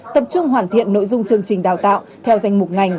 tập trung hoàn thiện nội dung chương trình đào tạo theo danh mục ngành